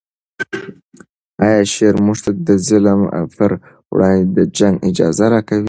آیا شرع موږ ته د ظالم پر وړاندې د جنګ اجازه راکوي؟